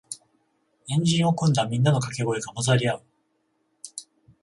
円陣を組んだみんなのかけ声が混ざり合う